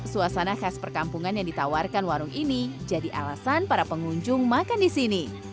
suasana khas perkampungan yang ditawarkan warung ini jadi alasan para pengunjung makan di sini